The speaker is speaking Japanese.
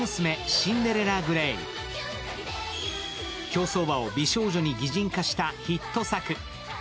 競走馬を美少女に擬人化したヒット作。